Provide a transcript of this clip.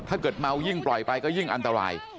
ถ้าเกิดเมายิ่งปล่อยไปก็ยิ่งอันตราย